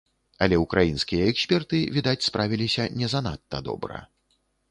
Але ўкраінскія эксперты, відаць, справіліся не занадта добра.